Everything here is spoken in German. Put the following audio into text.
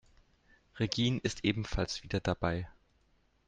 Regine ist ebenfalls wieder dabei.